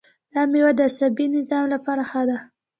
دا میوه د عصبي نظام لپاره ښه ده.